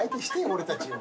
俺たちを。